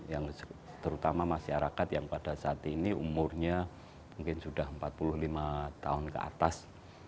yang terutama masyarakat yang pada saat ini umurnya mungkin sudah empat puluh lima tahun ke atas